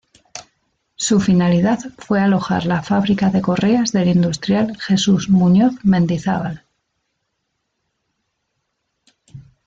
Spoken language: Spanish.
Su finalidad fue alojar la fábrica de correas del industrial Jesús Muñoz Mendizábal.